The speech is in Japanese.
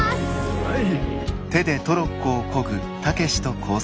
はい。